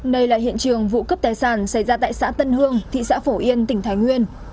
đây là hiện trường vụ cướp tài sản xảy ra tại xã tân hương thị xã phổ yên tỉnh thái nguyên